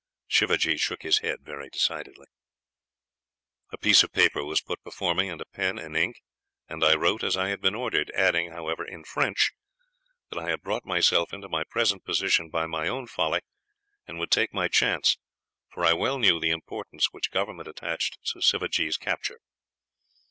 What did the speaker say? "Sivajee shook his head very decidedly. "A piece of paper was put before me, and a pen and ink, and I wrote as I had been ordered, adding however, in French, that I had brought myself into my present position by my own folly, and would take my chance, for I well knew the importance which government attached to Sivajee's capture.